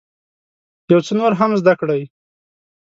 یو څه نور هم زده کړئ.